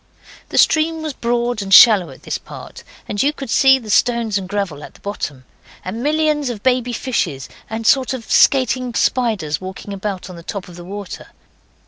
The stream was broad and shallow at this part, and you could see the stones and gravel at the bottom, and millions of baby fishes, and a sort of skating spiders walking about on the top of the water.